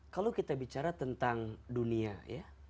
kalau kita bicara tentang dunia ya